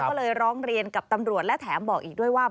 ก็เลยร้องเรียนกับตำรวจและแถมบอกอีกด้วยว่า